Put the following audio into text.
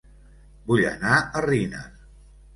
Vull anar a Riner